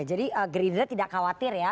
jadi gerindra tidak khawatir ya